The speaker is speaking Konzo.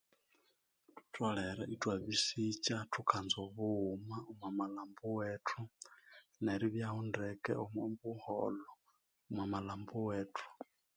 Thutolere itwabisikya thukanza obughuma omwamalhambo wethu neribyahu ndeke omwabuholho omwamalhambo wethu